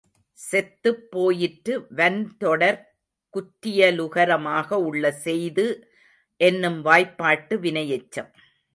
செத்துப் போயிற்று வன்றொடர்க் குற்றிய லுகரமாக உள்ள செய்து என்னும் வாய்பாட்டு வினையெச்சம்.